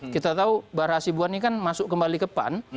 kita tahu bahar asibuan ini kan masuk kembali ke pan